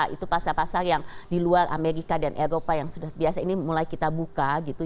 itu pasar pasar yang di luar amerika dan eropa yang sudah biasa ini mulai kita buka gitu